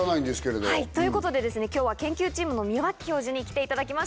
今日は研究チームの宮脇教授に来ていただきました。